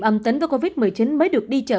âm tính với covid một mươi chín mới được đi chợ